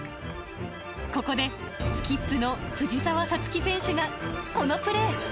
ここで、スキップの藤澤五月選手が、このプレー。